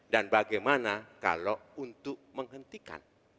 dan bagaimana kalau untuk menghentikan